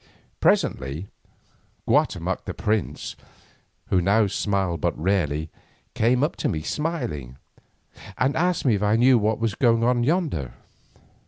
Presently Guatemoc the prince, who now smiled but rarely, came up to me smiling, and asked me if I knew what was doing yonder.